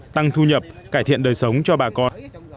tăng thu nhập cải thiện đời sống cho bà con